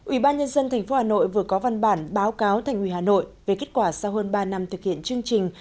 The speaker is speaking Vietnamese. ủy ban nhân dân tp hà nội vừa có văn bản báo cáo thành ủy hà nội về kết quả sau hơn ba năm thực hiện chương trình